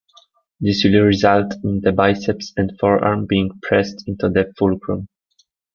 This will result in the biceps and forearm being pressed into the fulcrum.